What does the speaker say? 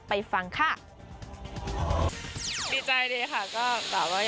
ไปฟังค่ะ